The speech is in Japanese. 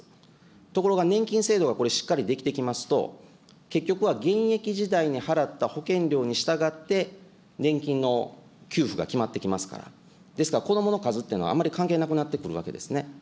ところが、年金制度がこれ、しっかりできてきますと、結局は現役時代に払った保険料に従って、年金の給付が決まってきますから、ですから、子どもの数っていうのはあまり関係なくなってくるわけですね。